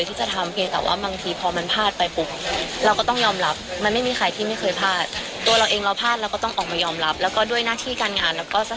ถ้าวันนี้ไทยรัฐก็ตายอยู่นะ